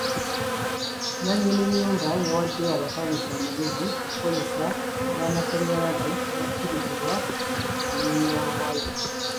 Nnannyini nnyumba yawadde abapangisa amagezi okukozesa abaamasannyalaze abakkirizibwa mu kuyunga waya.